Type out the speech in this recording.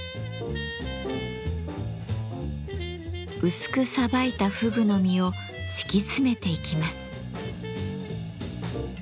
薄くさばいたふぐの身を敷き詰めていきます。